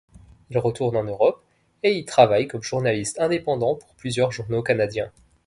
Il retourne en Europe et y travaille comme journaliste indépendant pour plusieurs journaux canadiens.